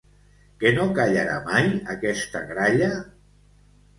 Que no callarà mai, aquesta gralla?